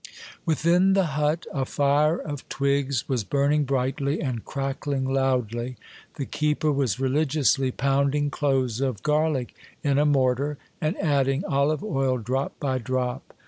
Within the hut, a fire of twigs was burning brightly and crackling loudly; the keeper was religiously pounding cloves of garlic in a mortar, and adding olive oil drop by drop.